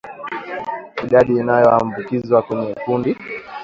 Idadi inayoambukizwa kwenye kundi